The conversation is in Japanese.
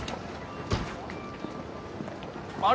あれ？